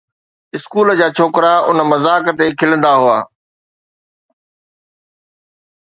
school جا ڇوڪرا ان مذاق تي کلندا هئا